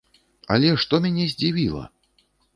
Але што мяне здзівіла!